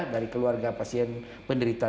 dari keluarga pasien penderita